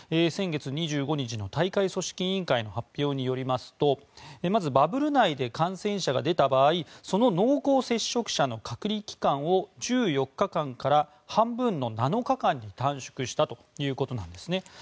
先月２５日の大会組織委員会の発表によりますとまず、バブル内で感染者が出た場合その濃厚接触者の隔離期間を１４日間から半分の７日間に短縮したということなんですね。